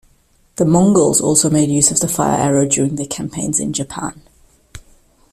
The Mongols also made use of the fire arrow during their campaigns in Japan.